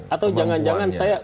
atau jangan jangan saya